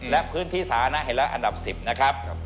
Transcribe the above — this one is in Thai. และพื้นที่สาธารณะเห็นแล้วอันดับ๑๐นะครับ